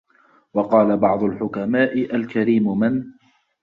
وَقَالَ بَعْضُ الْحُكَمَاءِ الْكَرِيمُ مَنْ